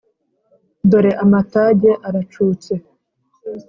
Dore amatage aracutse